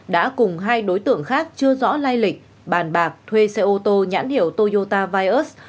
đã cùng hai đối tượng khác chưa rõ lai lịch bàn bạc thuê xe ô tô nhãn hiệu toyota vios